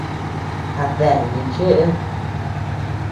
¿Adeea neʼe cheed?.